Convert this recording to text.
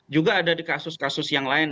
juga ada di kasus kasus yang lain